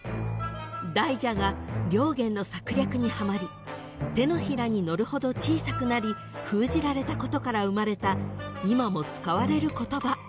［大蛇が良源の策略にはまり手のひらに乗るほど小さくなり封じられたことから生まれた今も使われる言葉］